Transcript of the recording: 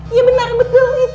iya benar betul itu